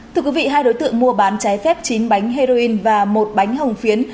thưa quý vị hai đối tượng mua bán trái phép chín bánh heroin và một bánh hồng phiến